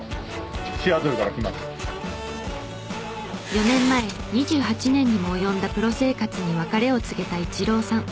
４年前２８年にも及んだプロ生活に別れを告げたイチローさん。